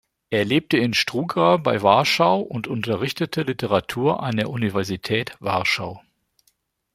Er lebte in Struga bei Warschau und unterrichtete Literatur an der Universität Warschau.